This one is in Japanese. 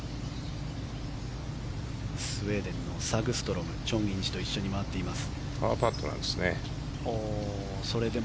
スウェーデンのサグストロムチョン・インジと一緒に回っています。